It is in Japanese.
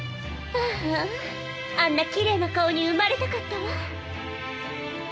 あああんなきれいな顔に生まれたかったわ。